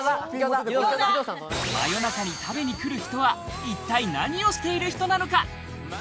真夜中に食べに来る人は、一体何をしている人なのか？